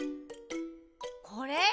これ？